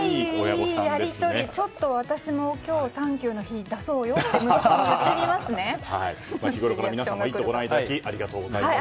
私も、今日サンキューの日だそうよって息子に日ごろから皆さんも「イット！」をご覧いただきありがとうございます。